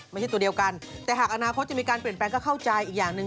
ไม่ใช่ตัวเดียวกันแต่หากอนาคตจะมีการเปลี่ยนแปลงก็เข้าใจอีกอย่างหนึ่ง